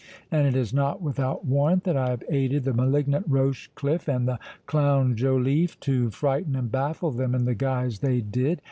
And it is not without warrant that I have aided the malignant Rochecliffe, and the clown Joliffe, to frighten and baffle them in the guise they did.